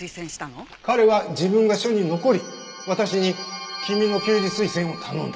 彼は自分が署に残り私に君の刑事推薦を頼んだ。